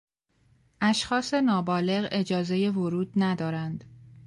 اشخاص نابالغ اجازهی ورود ندارند.